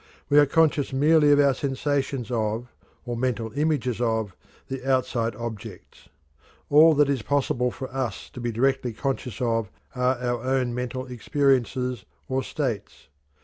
We are conscious merely of our sensations of, or mental images of, the outside objects. All that it is possible for us to be directly conscious of are our own mental experiences or states.